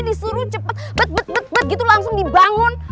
disuruh cepet bet bet gitu langsung dibangun